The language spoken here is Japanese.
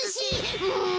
うん。